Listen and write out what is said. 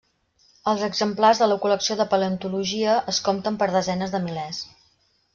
Els exemplars de la col·lecció de paleontologia es compten per desenes de milers.